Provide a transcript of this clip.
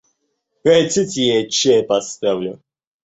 Хотите, я чай поставлю.